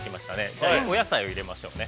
じゃあ、お野菜を入れましょうね。